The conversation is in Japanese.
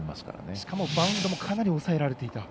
しかもバウンドもかなり抑えられていた。